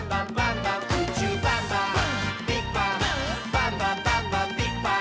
「バンバンバンバンビッグバン！」